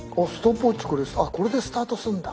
あっこれでスタートするんだ。